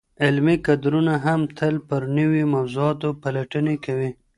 علمي کدرونه هم تل پر نویو موضوعاتو پلټني کوي.